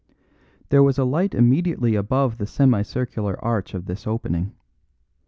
There was a light immediately above the semicircular arch of this opening.